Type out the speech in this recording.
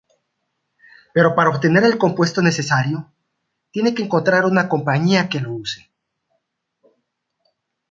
Pero para obtener el compuesto necesario, tiene que encontrar una compañía que lo use.